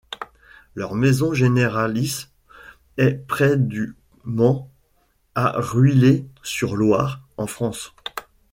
Leur maison généralice est près du Mans à Ruillé-sur-Loir en France.